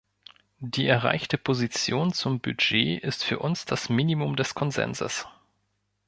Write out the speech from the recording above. Die erreichte Position zum Budget ist für uns das Minimum des Konsenses.